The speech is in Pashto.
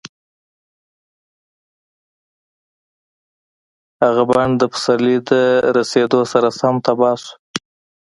هغه بڼ د پسرلي د رسېدو سره سم تباه شو.